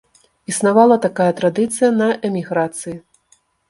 Існавала такая традыцыя на эміграцыі.